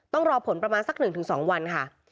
ต้องรอผลประมาณสัก๑๒วันค่ะ